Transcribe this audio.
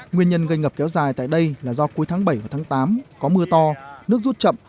nguyên nhân gây ngập kéo dài tại đây là do cuối tháng bảy và tháng tám có mưa to nước rút chậm